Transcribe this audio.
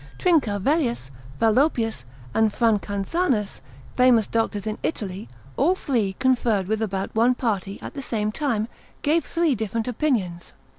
Trincavellius, Fallopius, and Francanzanus, famous doctors in Italy, all three conferred with about one party, at the same time, gave three different opinions.